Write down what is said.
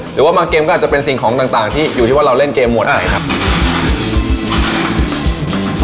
หรือว่าบางเกมก็อาจจะเป็นสิ่งของต่างที่อยู่ที่ว่าเราเล่นเกมหมดอะไรครับ